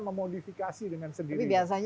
memodifikasi dengan sendiri tapi biasanya